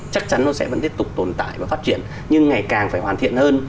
chắc chắn nó sẽ vẫn tiếp tục tồn tại và phát triển nhưng ngày càng phải hoàn thiện hơn